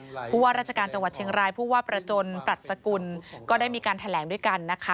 เพราะว่าราชการจังหวัดเชียงรายผู้ว่าประจนปรัชกุลก็ได้มีการแถลงด้วยกันนะคะ